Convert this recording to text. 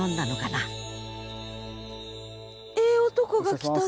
ええ男が来たで。